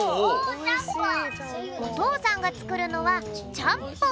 おとうさんがつくるのはちゃんぽん。